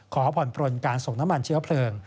ขอผ่อนปลนการส่งน้ำมันเชื้อเพลิง